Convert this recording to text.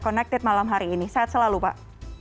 connected malam hari ini saat selalu pak